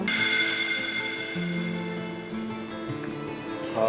tadi ada urusan mendadak mbak